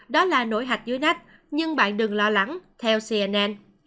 đó là nổi hạch dưới nách nhưng bạn đừng lo lắng theo cnn